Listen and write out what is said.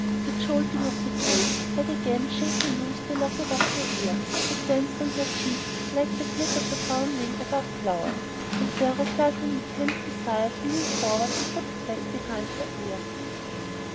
The jolting of the train had again shaken loose the lock above her ear. It danced on her cheek like the flit of a brown wing over flowers, and Darrow felt an intense desire to lean forward and put it back behind her ear.